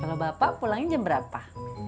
kalau bapak pulangnya jam berapa